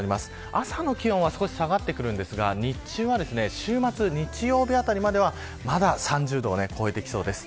朝の気温は少し下がってくるんですが日中は週末日曜日あたりまではまだ３０度を超えてきそうです。